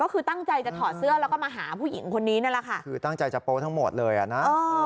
ก็คือตั้งใจจะถอดเสื้อแล้วก็มาหาผู้หญิงคนนี้นั่นแหละค่ะคือตั้งใจจะโป๊ทั้งหมดเลยอ่ะนะ